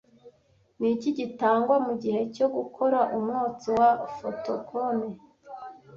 Niki gitangwa mugihe cyo gukora umwotsi wa fotokome